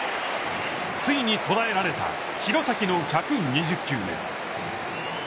ついに捉えられた廣崎の１２０球目。